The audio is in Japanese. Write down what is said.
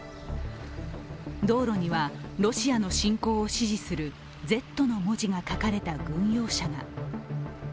道路にはロシアの侵攻を支持する「Ｚ」の文字が書かれた軍用車が。